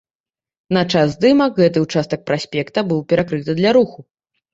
На час здымак гэты ўчастак праспекта быў перакрыты для руху.